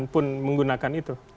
pun menggunakan itu